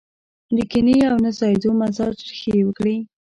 د کينې او نه ځايېدو مزاج ريښې وکړي.